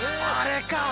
あれか。